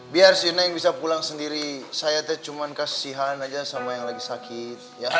biar si neng bisa pulang sendiri saya cuma kasihan aja sama yang lagi sakit